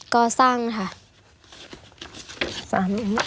ก็สั้นค่ะ